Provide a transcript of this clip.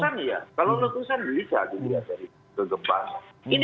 kalau letusan bisa dilihat dari kegempaan